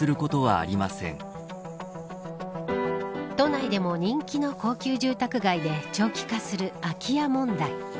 都内でも人気の高級住宅街で長期化する空き家問題。